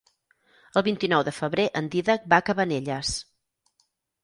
El vint-i-nou de febrer en Dídac va a Cabanelles.